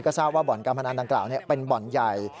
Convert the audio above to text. ก็ทราบว่าบ่อนการพนันต่างเป็นบ่อนใหญ่